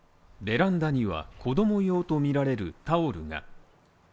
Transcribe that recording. ベランダには、子供用とみられるタオルが。